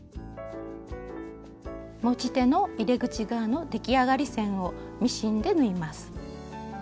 持ち手の入れ口側の出来上がり線をミシンで縫います。